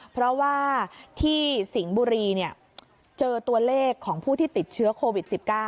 เพราะว่าที่สิงห์บุรีเจอตัวเลขของผู้ที่ติดเชื้อโควิด๑๙